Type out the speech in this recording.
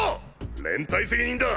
連帯責任だ。